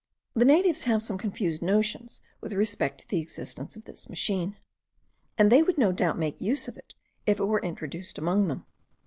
The natives have some confused notions with respect to the existence of this machine, and they would no doubt make use of it if it were introduced among them.